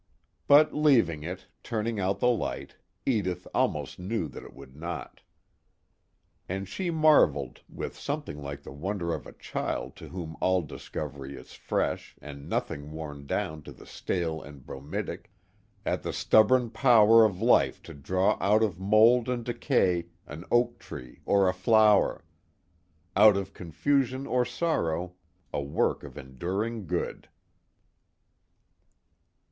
_ But leaving it, turning out the light, Edith almost knew that it would not. And she marveled, with something like the wonder of a child to whom all discovery is fresh and nothing worn down to the stale and bromidic, at the stubborn power of life to draw out of mold and decay an oak tree or a flower; out of confusion or sorrow a work of enduring good.